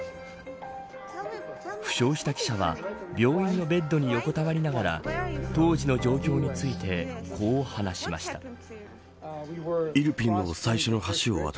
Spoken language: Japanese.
負傷した記者は病院のベッドに横たわりながら当時の状況についてこう話しました。